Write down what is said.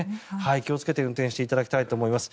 気をつけて運転していただきたいと思います。